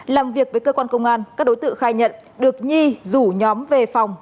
làm việc với cơ quan công an các đối tượng khai nhận được nhi rủ nhóm về phòng